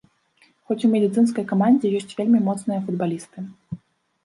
Хоць у медыцынскай камандзе ёсць вельмі моцныя футбалісты.